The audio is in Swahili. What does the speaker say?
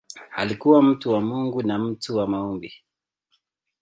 Alikuwa mtu wa Mungu na mtu wa maombi.